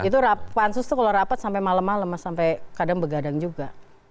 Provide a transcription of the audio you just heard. itu pansus itu kalau rapat sampai malam malam mas sampai kadang begadang juga